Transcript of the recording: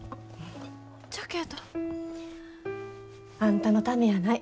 じゃけど。あんたのためやない。